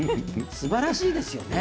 すばらしいですよね。